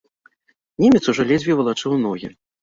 Немец ужо ледзьве валачыў ногі.